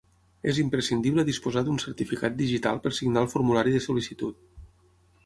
És imprescindible disposar d'un certificat digital per signar el formulari de sol·licitud.